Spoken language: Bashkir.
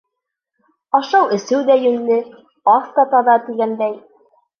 Ашау-эсеү ҙә йүнле, аҫ та таҙа, тигәндәй.